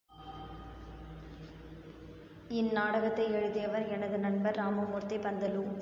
இந்நாடகத்தை எழுதியவர் எனது நண்பர் ராமமூர்த்தி பந்துலு.